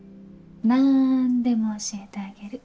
・なんでも教えてあげる。